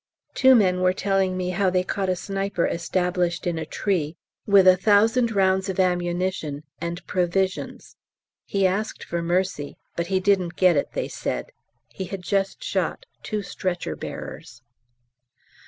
Two men were telling me how they caught a sniper established in a tree, with a thousand rounds of ammunition and provisions. He asked for mercy, but he didn't get it, they said. He had just shot two stretcher bearers.